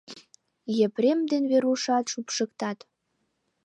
Епрем ден Верушат шупшыктат.